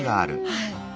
はい。